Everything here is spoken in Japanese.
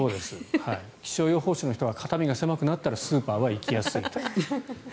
気象予報士の人が肩身が狭くなったらスーパーは行きやすい。